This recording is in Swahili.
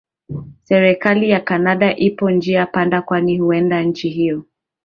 serikali ya canada ipo njia panda kwani huenda nchi hiyo